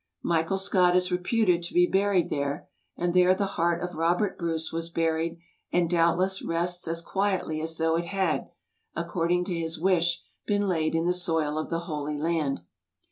Michael Scott is reputed to be buried there, and there the heart of Robert Bruce was buried, and doubtless, rests as quiedy as though it had, according to his wish, been laid in the soil of the Holy Land.